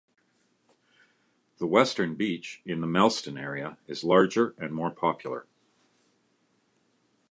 The western beach, in the Mellsten area, is larger and more popular.